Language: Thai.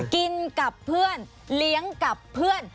กินกับเพื่อนเลี้ยงกับเพื่อน